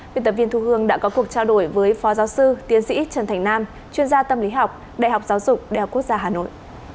biên tập viên thu hương đã có cuộc trao đổi với phó giáo sư tiến sĩ trần thành nam chuyên gia tâm lý học đại học giáo dục đại học quốc gia hà nội